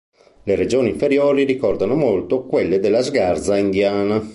Le regioni inferiori ricordano molto quelle della sgarza indiana.